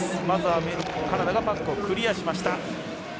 まず、カナダがパックをクリアしました。